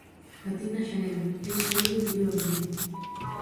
Batín na xanela, el saíu e pediu abrigo.